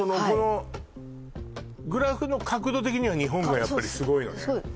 このグラフの角度的には日本がやっぱりすごいのね